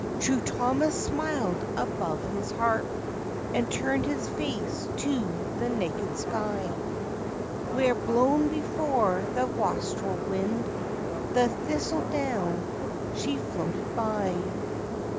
True Thomas smiled above his harp, And turned his face to the naked sky, Where, blown before the wastrel wind, The thistle down she floated by.